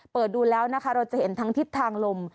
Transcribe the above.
ดูแล้วนะคะเราจะเห็นทั้งทิศทางลม